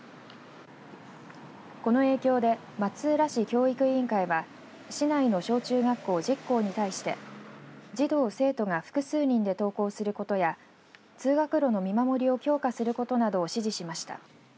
この影響で松浦市教育委員会は市内の小中学校１０校に対して児童、生徒が複数人で登校することや通学路の見守りを強化することなどを指示しました。